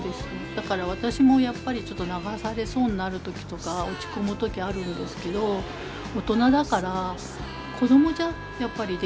だから私もやっぱりちょっと流されそうになる時とか落ち込む時あるんですけど大人だから子供じゃやっぱりできない。